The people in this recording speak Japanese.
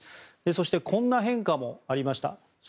そしてこんな変化もありました。